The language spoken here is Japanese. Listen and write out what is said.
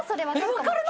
分かるの？